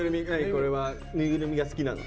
これはぬいぐるみが好きなの？